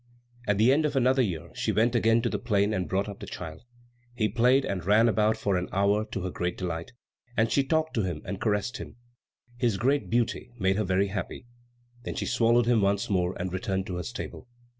At the end of another year she went again to the plain and brought up the child. He played and ran about for an hour to her great delight, and she talked to him and caressed him. His great beauty made her very happy. Then she swallowed him once more and returned to her stable.